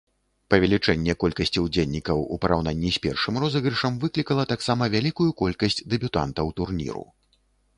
Павелічэнне колькасці ўдзельнікаў у параўнанні з першым розыгрышам выклікала таксама вялікую колькасць дэбютантаў турніру.